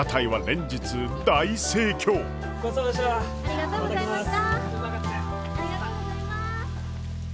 ありがとうございます。